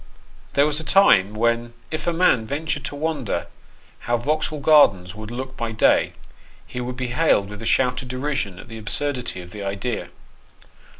THERE was a time when if a man ventured to wonder how Vauxhall Gardens would look by day, he was hailed with a shout of derision at the absurdity of the idea.